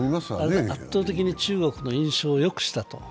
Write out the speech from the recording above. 圧倒的に中国の印象をよくしたと。